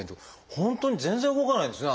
本当に全然動かないんですね